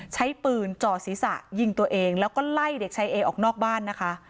ใช้ปืนจ่อศีรษะยิงตัวเองแล้วก็ไล่เด็กชายเอออกนอกบ้านนะคะ